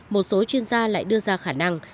một số chuyên gia lại đưa ra khả năng